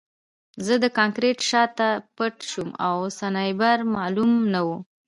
زه د کانکریټ شاته پټ شوم او سنایپر معلوم نه و